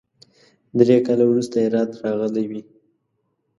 درې کاله وروسته هرات راغلی وي.